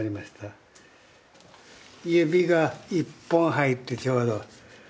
指が１本入ってちょうど。